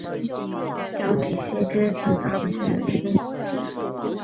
蒋溥为大学士蒋廷锡之子。